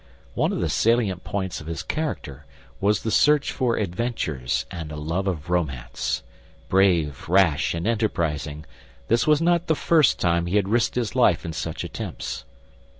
One of the salient points of his character was the search for adventures and a love of romance. Brave, rash, and enterprising, this was not the first time he had risked his life in such attempts.